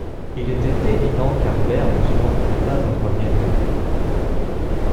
Il était évident qu’Harbert n’en supporterait pas un troisième.